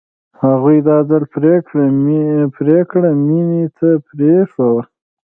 هغوی دا ځل پرېکړه مينې ته پرېښې وه